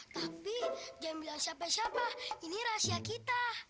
tapi jangan bilang siapa siapa ini rahasia kita